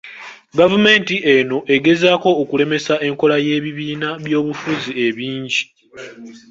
Gavumenti eno egezaako okulemesa enkola y’ebibiina by’obufuzi ebingi.